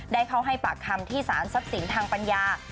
ได้เข้าให้ปากคำที่สารทรัพย์สินทางปัญญา